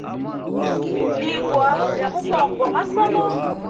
Iyigwa ya mubongo gwa masomo.